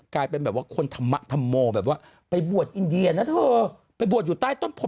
กลายเป็นแบบว่าคนธรรมธรรโมแบบว่าไปบวชอินเดียนะเธอไปบวชอยู่ใต้ต้นโพ